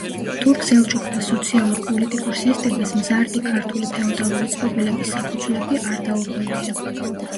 თურქ-სელჩუკთა სოციალურ-პოლიტიკურ სისტემას მზარდი ქართული ფეოდალური წყობილების საფუძვლები არ დაურღვევია.